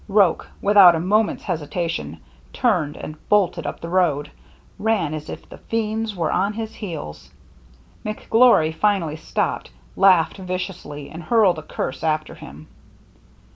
Roche, without a moment's hesitation, turned and bolted up the road, — ran as if the fiends were on his heels. McGlory finally stopped, laughed viciously, and hurled a curse after him.